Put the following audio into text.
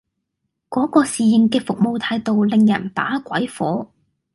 嗰個侍應嘅服務態度令人把鬼火